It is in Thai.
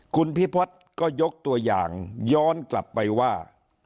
คุณพิพัฒน์ก็ยกตัวอย่างย้อนกลับไปว่า